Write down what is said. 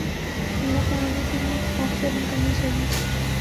میرا خیال ہے کہ انہیں اس خوف سے اب نکلنا چاہیے۔